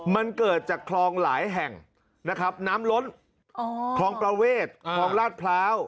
มันเกิดจากคลองหลายแห่งนะครับน้ำล้นคลองประเวทคลองลาดพร้าว